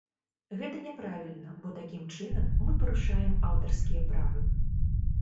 Гэта няправільна, бо такім чынам мы парушаем аўтарскія правы.